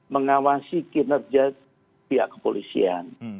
mengawasi kinerja pihak kepolisian